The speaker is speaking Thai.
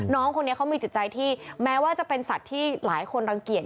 น้องคนนี้เขามีจิตใจที่แม้ว่าจะเป็นสัตว์ที่หลายคนรังเกียจ